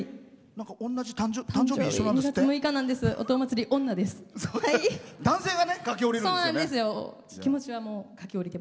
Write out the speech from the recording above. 同じ誕生日、一緒なんですって？